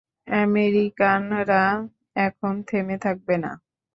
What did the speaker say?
আমেরিকানরা এখন থেমে থাকবে না।